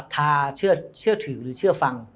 ทรย์สมัคร